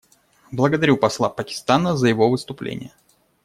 Благодарю посла Пакистана за его выступление.